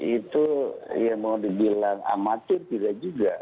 itu ya mau dibilang amatir tidak juga